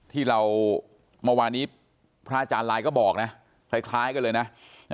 ที่เราเมื่อวานี้พระอาจารย์ลายก็บอกนะคล้ายกันเลยนะ